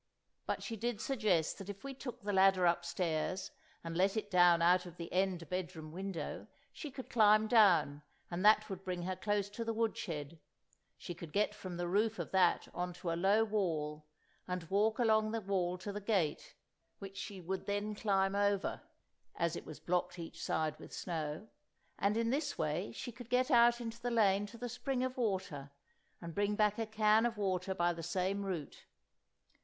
But she did suggest that if we just took the ladder upstairs and let it down out of the end bedroom window she could climb down, and that would bring her close to the wood shed; she could get from the roof of that on to a low wall, and walk along the wall to the gate, which she would then climb over (as it was blocked each side with snow), and in this way she could get out into the lane to the spring of water, and bring back a can of water by the same route.